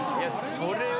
それは。